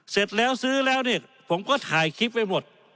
เสร็จแล้วซื้อแล้วเนี่ยผมก็ถ่ายคลิปไว้หมด